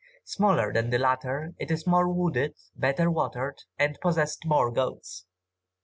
Smaller than the latter, it is more wooded, better watered, and possessed more goats.